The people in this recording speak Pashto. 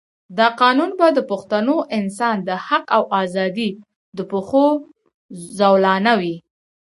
دا قانون به د پښتون انسان د حق او آزادۍ د پښو زولانه وي.